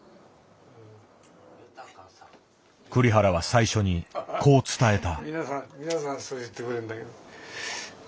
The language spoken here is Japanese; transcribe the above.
栗原は最初にこう伝えた。